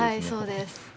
そうです。